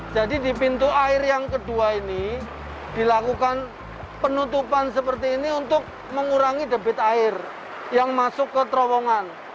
jadi di pintu air yang kedua ini dilakukan penutupan seperti ini untuk mengurangi debit air yang masuk ke terowongan